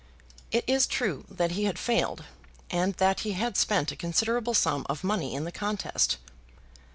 It is true that he had failed, and that he had spent a considerable sum of money in the contest.